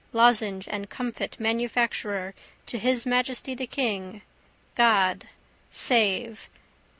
Lozenge and comfit manufacturer to His Majesty the King. God. Save.